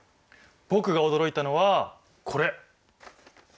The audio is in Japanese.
僕が驚いたのはこれ！